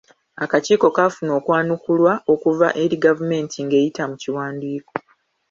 Akakiiko kaafuna okwanukulwa okuva eri ggavumenti ng’eyita mu kiwandiiko.